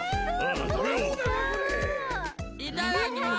いただきます！